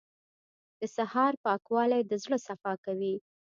• د سهار پاکوالی د زړه صفا کوي.